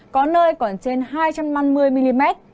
có nơi còn trên hai trăm năm mươi mm